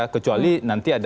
kecuali nanti ada